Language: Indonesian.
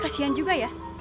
kasihan juga ya